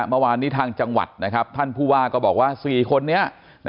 เมื่อวานนี้ทางจังหวัดนะครับท่านผู้ว่าก็บอกว่า๔คนนี้